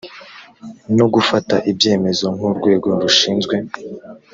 no gufata ibyemezo nk urwego rushinzwe